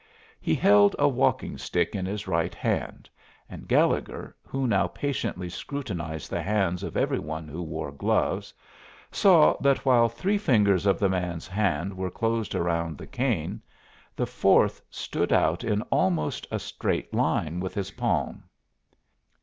He held a walking stick in his right hand, and Gallegher, who now patiently scrutinized the hands of every one who wore gloves, saw that while three fingers of the man's hand were closed around the cane, the fourth stood out in almost a straight line with his palm.